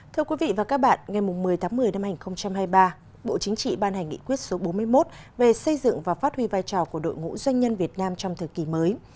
thưa quý vị và các bạn ngày một mươi tháng một mươi năm hai nghìn hai mươi ba bộ chính trị ban hành nghị quyết số bốn mươi một về xây dựng và phát huy vai trò của đội ngũ doanh nhân việt nam trong thời kỳ mới